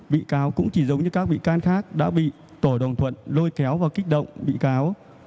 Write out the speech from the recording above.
bị cáo cũng chỉ giống như các bị can khác đã bị tổ đồng thuận lôi kéo và kích động bị cáo